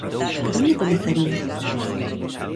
Por onde comezaría?